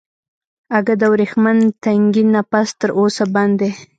اگه د ورېښمين تنګي نه پس تر اوسه بند دی.